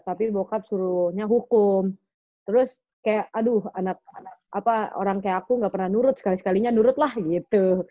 tapi bokap suruhnya hukum terus kayak aduh anak apa orang kayak aku gak pernah nurut sekali sekalinya nurut lah gitu